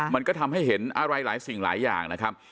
มันก็ทำให้เห็นอะไรหลายสิ่งหลายอย่างนะครับ